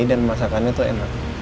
dan masakannya tuh enak